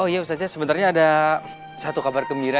oh iya sebenarnya ada satu kabar gembira